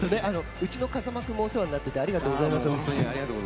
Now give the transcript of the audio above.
うちの風間君もお世話になっていてありがとうございます。